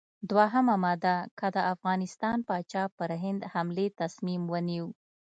دوهمه ماده: که د افغانستان پاچا پر هند حملې تصمیم ونیو.